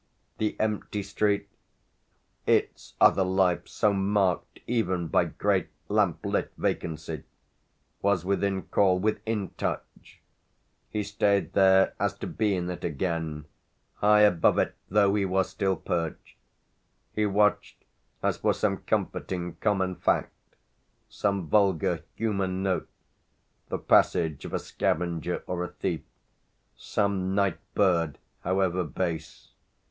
The empty street its other life so marked even by great lamp lit vacancy was within call, within touch; he stayed there as to be in it again, high above it though he was still perched; he watched as for some comforting common fact, some vulgar human note, the passage of a scavenger or a thief, some night bird however base.